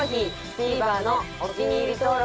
ＴＶｅｒのお気に入り登録